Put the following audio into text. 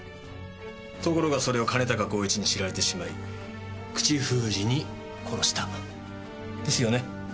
ところがそれを兼高公一に知られてしまい口封じに殺したですよね。